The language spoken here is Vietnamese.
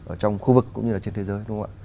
ở trong khu vực cũng như là trên thế giới